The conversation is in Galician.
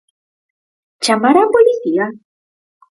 Chamar a policía?